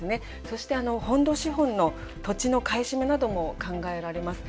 そして本土資本の土地の買い占めなども考えられます。